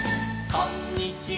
「こんにちは」「」